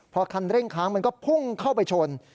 พอคันเร่งค้างมันก็พุ่งเข้าไปชน